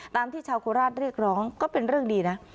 ตามที่ชาวโคราชเรียกร้องก็เป็นเรื่องดีนะ